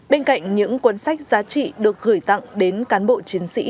bên cạnh những cuốn sách giá trị được gửi tặng đến cán bộ chiến sĩ